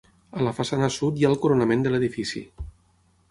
A la façana sud hi ha el coronament de l'edifici.